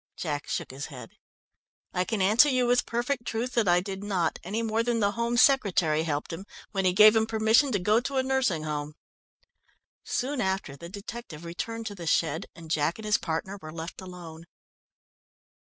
Jack shook his head. "I can answer you with perfect truth that I did not, any more than the Home Secretary helped him when he gave him permission to go to a nursing home." Soon after the detective returned to the shed, and Jack and his partner were left alone.